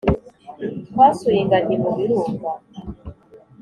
Twasuye ingagi mubirunga